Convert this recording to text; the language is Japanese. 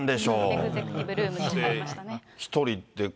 エグゼクティブルームでございましたね。